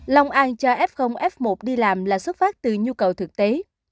long an cho f f một đi làm là xuất phát từ nhu cầu thực tế